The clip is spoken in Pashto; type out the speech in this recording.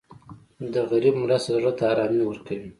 د غریب مرسته زړه ته ارامي ورکوي.